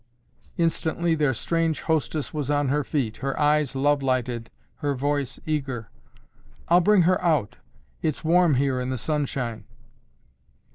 Instantly their strange hostess was on her feet, her eyes love lighted, her voice eager. "I'll bring her out. It's warm here in the sunshine."